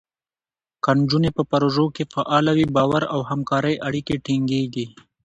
که نجونې په پروژو کې فعاله وي، باور او همکارۍ اړیکې ټینګېږي.